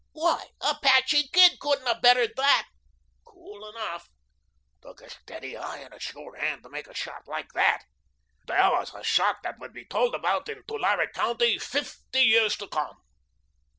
"Why, Apache Kid couldn't have bettered that." "Cool enough." "Took a steady eye and a sure hand to make a shot like that." "There was a shot that would be told about in Tulare County fifty years to come."